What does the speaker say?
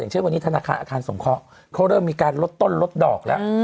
เช่นวันนี้ธนาคารอาคารสงเคราะห์เขาเริ่มมีการลดต้นลดดอกแล้ว